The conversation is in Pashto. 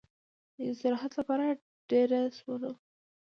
د استراحت لپاره دېره شولو.